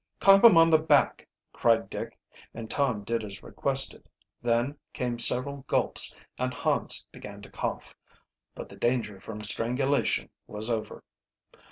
"Clap him on the back!" cried Dick, and Tom did as requested. Then came several gulps and Hans began to cough. But the danger from strangulation was over.